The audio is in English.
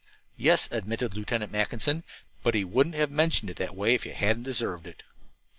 "Yes," admitted Lieutenant Mackinson, "but he wouldn't have mentioned it that way if you hadn't deserved it."